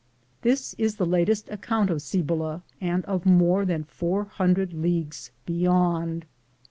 This is thb Latest Account op Cibola, and of moee than foob hundred Leagues Beyond.